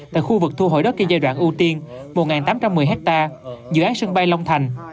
tại khu vực thu hồi đất cho giai đoạn ưu tiên một tám trăm một mươi hectare dự án sân bay long thành